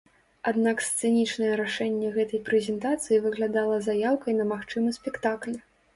Аднак сцэнічнае рашэнне гэтай прэзентацыі выглядала заяўкай на магчымы спектакль.